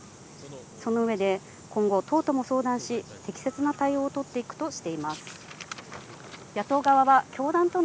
その上で今後、党とも相談し、適切な対応を取っていくともしています。